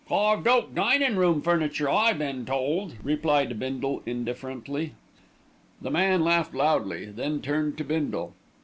"Carved oak dinin' room furniture, I been told," replied Bindle indifferently. The man laughed loudly. Then turned to Bindle.